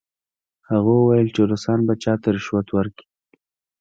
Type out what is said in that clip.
هغه وویل چې روسان به چا ته رشوت ورکړي؟